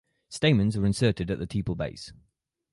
Stamens are inserted at the tepal base.